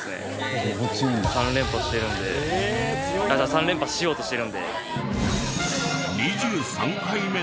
３連覇しようとしてるので。